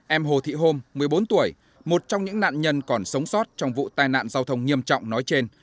em hồ thị hôm một mươi bốn tuổi một trong những nạn nhân còn sống sót trong vụ tai nạn giao thông nghiêm trọng nói trên